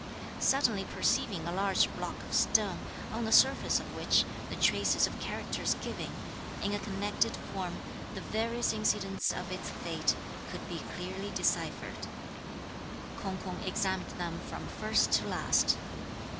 Suddenly perceiving a large block of stone, on the surface of which the traces of characters giving, in a connected form, the various incidents of its fate, could be clearly deciphered, K'ung K'ung examined them from first to last.